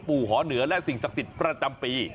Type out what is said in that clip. หอเหนือและสิ่งศักดิ์สิทธิ์ประจำปี